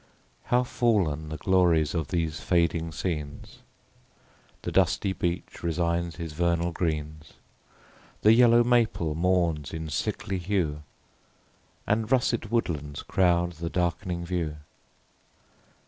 How fallen the glories of these fading scenes ! The dusky beech resigns his vernal greens; The yellow maple mourns in sickly hue, And russet woodlands crowd the dark'ning view.